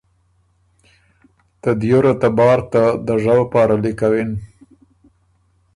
ته دیوره ته بار ته دژؤ پاره لیکوِن۔